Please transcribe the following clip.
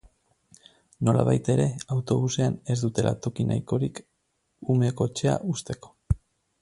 Nolabait ere, autobusean ez dutela toki nahikorik ume-kotxea uzteko.